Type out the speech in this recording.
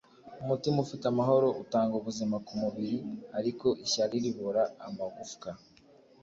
umutima ufite amahoro utanga ubuzima kumubiri, ariko ishyari ribora amagufwa